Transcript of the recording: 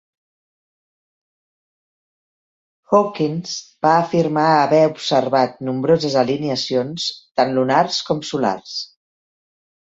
Hawkins va afirmar haver observat nombroses alineacions, tant lunars com solars.